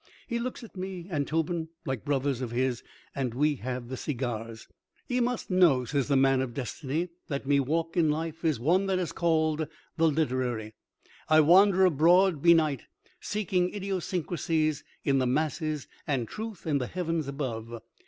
He looks at me and Tobin like brothers of his, and we have the segars. "Ye must know," says the man of destiny, "that me walk in life is one that is called the literary. I wander abroad be night seeking idiosyncrasies in the masses and truth in the heavens above.